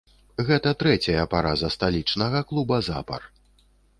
Гэта трэцяя параза сталічнага клуба запар.